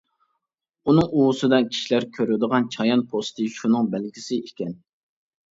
ئۇنىڭ ئۇۋىسىدا كىشىلەر كۆرىدىغان چايان پوستى شۇنىڭ بەلگىسى ئىكەن.